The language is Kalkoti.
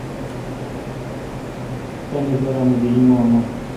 تانی بارہ می گیجنگوا من